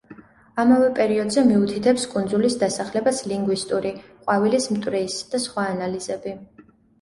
ამავე პერიოდზე მიუთითებს კუნძულის დასახლებას ლინგვისტური, ყვავილის მტვრის და სხვა ანალიზები.